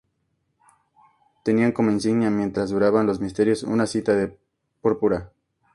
Tenían como insignia, mientras duraban los misterios, una cinta de púrpura.